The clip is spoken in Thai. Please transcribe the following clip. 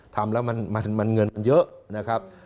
ทำแล้วมันเงินมันเยอะนะครับ